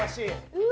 うわ！